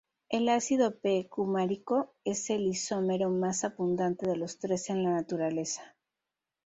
El ácido "p"-cumarico es el isómero más abundante de los tres en la naturaleza.